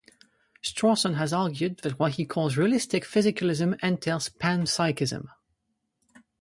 Strawson has argued that what he calls realistic physicalism entails panpsychism.